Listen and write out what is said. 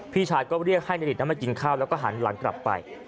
พี่ชายก็เรียกให้นาริดนั้นมากินข้าวแล้วก็หันหลังกลับไป